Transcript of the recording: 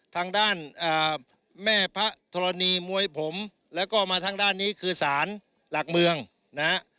ทางด้านแม่พระธรณีมวยผมแล้วก็มาทางด้านนี้คือสารหลักเมืองนะฮะ